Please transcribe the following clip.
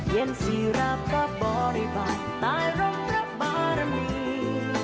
เย็นสีราบก็บริบัติตายร่องรับบารมี